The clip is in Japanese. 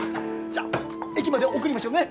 じゃあ駅まで送りましょうね。